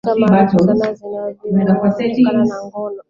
vipo visa maarufu sana vilivyotokana na ngono